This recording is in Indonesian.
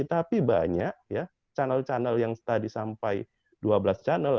tapi banyak ya channel channel yang tadi sampai dua belas channel